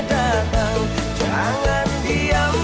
walaupun dia juga bawa